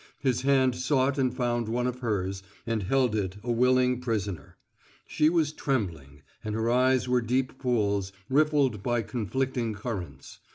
His hand sought and found one of hers and held it a willing prisoner. She was trembling, and her eyes were deep pools, riffled by conflicting currents.